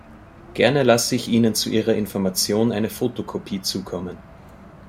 Gerne lasse ich Ihnen zu Ihrer Information eine Fotokopie zukommen.